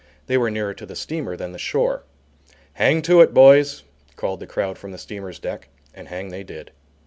They were nearer to the steamer than the shore. "Hang to it, boys," called the crowd from the steamer's deck, and hang they did.